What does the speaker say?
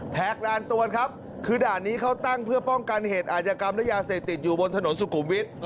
ลานตวนครับคือด่านนี้เขาตั้งเพื่อป้องกันเหตุอาจกรรมและยาเสพติดอยู่บนถนนสุขุมวิทย์